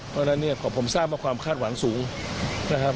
เพราะฉะนั้นเนี่ยผมทราบว่าความคาดหวังสูงนะครับ